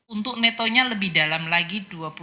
untuk netonya lebih dalam lagi dua puluh sembilan delapan